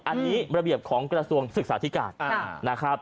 อันนี้ระเบียบของกระทรวงศึกษาที่การ